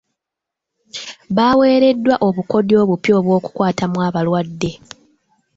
Baweereddwa obukodyo obupya obw'okukwatamu abalwadde.